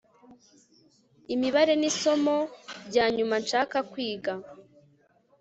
Imibare nisomo ryanyuma nshaka kwiga